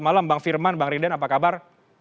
malam bang firman bang riden apa kabar